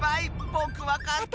ぼくわかった。